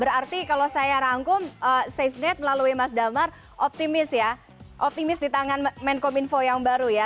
berarti kalau saya rangkum safenet melalui mas damar optimis ya optimis di tangan menkom info yang baru ya